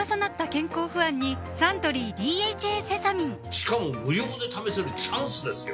しかも無料で試せるチャンスですよ